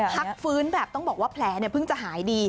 พักฟื้นแบบต้องบอกว่าแผลเพิ่งจะหายดี